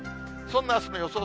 そんなあすの予想